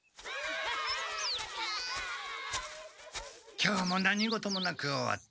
今日も何事もなく終わった。